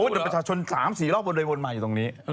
เดินประชาชน๓๔รอบโดยวนมาอยู่ตรงนี้